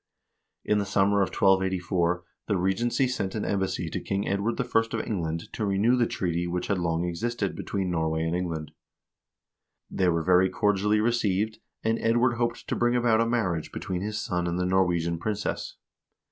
1 In the summer of 1284 the regency sent an embassy to King Edward I. of England to renew the treaty which had long existed between Norway and England. They were very cordially received, and Edward hoped to bring about a marriage between his son and the Norwegian princess.